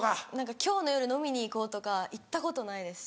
今日の夜飲みに行こうとか行ったことないですし。